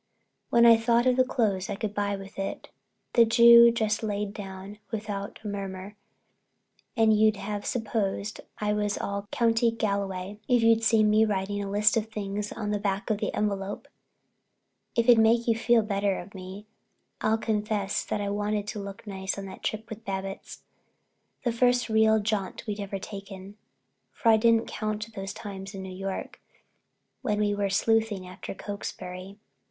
When I thought of the clothes I could buy with it, the Jew just lay down without a murmur and you'd have supposed I was all County Galway if you'd seen me writing a list of things on the back of the envelope. If it'll make you think better of me I'll confess that I wanted to look nice on that trip with Babbitts, the first real jaunt we'd ever taken, for I didn't count those times in New York when we were sleuthing after Cokesbury.